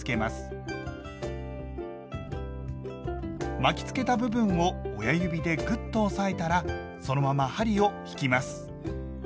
巻きつけた部分を親指でぐっと押さえたらそのまま針を引きます。